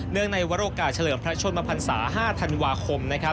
เนื่องในวัตรโอกาสเฉลิมพระชนมพันษา๕ธันวาคม